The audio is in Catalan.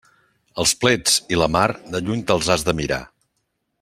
Els plets i la mar, de lluny te'ls has de mirar.